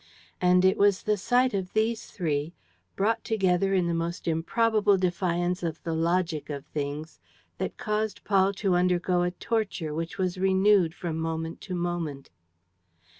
And it was the sight of these three, brought together in the most improbable defiance of the logic of things, that caused Paul to undergo a torture which was renewed from moment to moment.